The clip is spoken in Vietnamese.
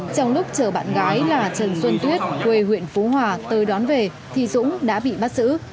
trong lúc chờ bạn gái là trần xuân tuyết quê huyện phú hòa tới đón về thì dũng đã bị bắt giữ